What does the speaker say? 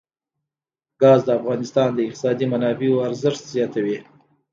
ګاز د افغانستان د اقتصادي منابعو ارزښت زیاتوي.